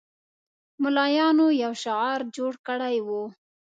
ملایانو یو شعار جوړ کړی وو.